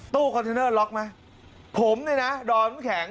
ตู้คอนเทนเนอร์ล็อคมั้ยผมเนี่ยนะดอนแข็ง